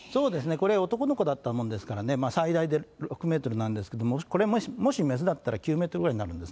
これ、男の子だったもんですからね、最大で６メートルなんですけども、これ、もし雌だったら９メートルぐらいになるんです。